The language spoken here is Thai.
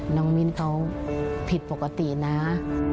น้องมินเขาผิดประกอบด้วย